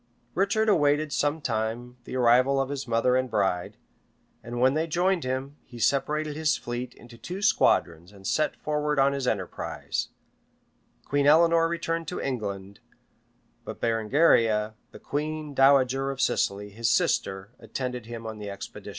Richard awaited some time the arrival of his mother and bride, and when they joined him, he separated his fleet into two squadrons, and set forward on his enterprise. Queen Eleanor returned to England; but Berengaria, and the queen dowager of Sicily, his sister, attended him on the expedition.[] [* Vinisauf, p. 316.] [ M. Paris, p.